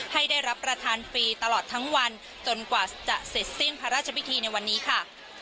ให้ได้รับประทานฟรีตลอดทั้งวันจนกว่าจะเสร็จสิ้นพระราชพิธีในวันนี้ค่ะ